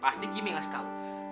pasti gimi ngasih tau